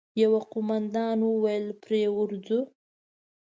يوه قوماندان وويل: پرې ورځو!